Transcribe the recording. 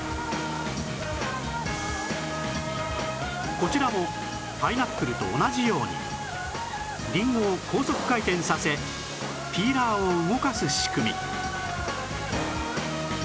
こちらもパイナップルと同じようにりんごを高速回転させピーラーを動かす仕組み